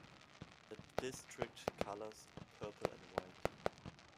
The district colors are purple and white.